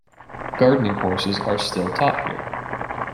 Gardening courses are still taught here.